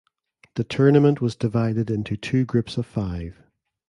The tournament was divided into two groups of five.